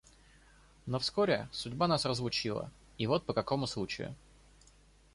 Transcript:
Но вскоре судьба нас разлучила, и вот по какому случаю.